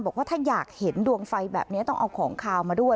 บอกว่าถ้าอยากเห็นดวงไฟแบบนี้ต้องเอาของขาวมาด้วย